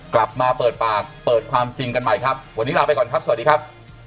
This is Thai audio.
กลับมาเปิดปากเปิดความจริงกันใหม่ครับ